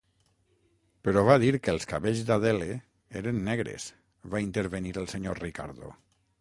"Però va dir que els cabells d'Adele eren negres", va intervenir el senyor Ricardo.